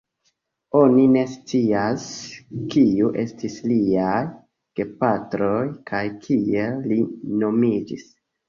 Oni ne scias kiu estis liaj gepatroj kaj kiel li nomiĝis.